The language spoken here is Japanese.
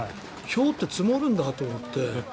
ひょうって積もるんだと思って。